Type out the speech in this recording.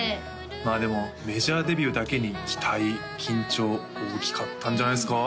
まあでもメジャーデビューだけに期待緊張大きかったんじゃないですか？